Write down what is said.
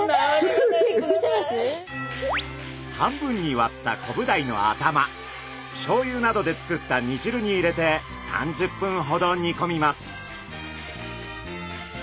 半分に割ったコブダイの頭しょうゆなどで作った煮じるに入れて３０分ほど煮込みます。